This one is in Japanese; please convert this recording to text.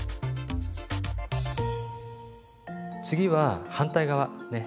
次は反対側ね。